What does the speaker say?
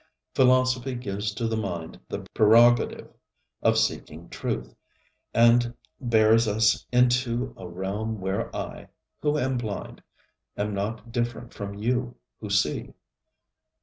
Philosophy gives to the mind the prerogative of seeing truth, and bears us into a realm where I, who am blind, am not different from you who see.